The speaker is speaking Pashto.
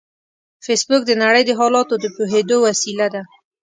فېسبوک د نړۍ د حالاتو د پوهېدو وسیله ده